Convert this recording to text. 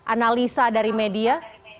analisa dari media